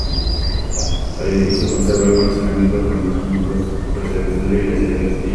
El edificio conserva algunos elementos románicos procedentes de la iglesia del castillo.